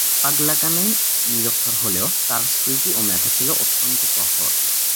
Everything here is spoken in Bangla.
পাগলা কানাই নিরক্ষর হলেও তার স্মৃতি ও মেধা ছিল অত্যন্ত প্রখর।